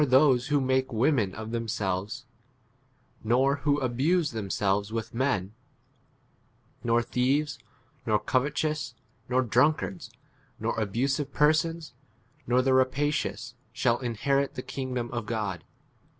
those who make women of them ' selves, nor who abuse themselves 10 with men, nor thieves, nor covet ous, nor drunkards, nor abusive persons, nor [the] rapacious, shall 11 inherit [the] kingdom of God.